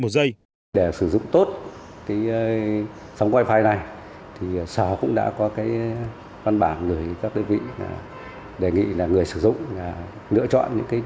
để sử dụng tốt sống wi fi này sở cũng đã có văn bản người sử dụng lựa chọn những điểm thu được sống wi fi ổn định